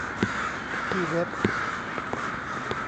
ที่เว็บ